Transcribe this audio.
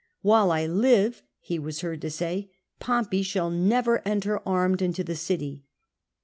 "While I live,®® he was heard to say, " Pompey shall never enter armed into the city."